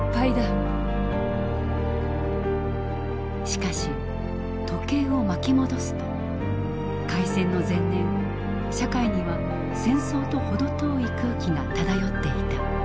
しかし時計を巻き戻すと開戦の前年社会には戦争と程遠い空気が漂っていた。